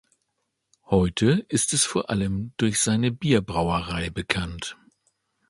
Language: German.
Heute ist es vor allem durch seine Bierbrauerei bekannt.